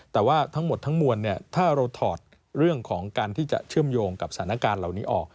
แต่ว่าทั้งหมดทั้งมวลถ้าเราถอดเรื่องของการที่จะเชื่อมโยงกับสถานการณ์เหล่านี้ออก